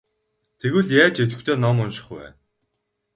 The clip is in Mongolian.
Тэгвэл яаж идэвхтэй ном унших вэ?